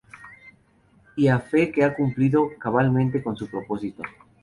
Y a fe que ha cumplido cabalmente con su propósito.